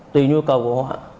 tùy nhu cầu của họ